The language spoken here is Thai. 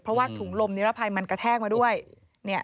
เพราะว่าถุงลมนิรภัยมันกระแทกมาด้วย